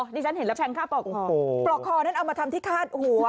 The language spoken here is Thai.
ในฉันเห็นล่ะปลอกคอนน่ะเอามาทำที่ฆ่าหัว